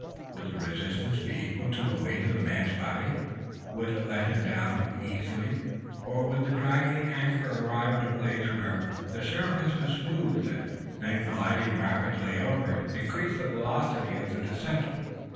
Would the resistance be equal to the weight of the man's body? Would it let him down easily? Or would the dragging anchor arrive at a place where the surface was smooth, and then gliding rapidly over it, increase the velocity of the descent?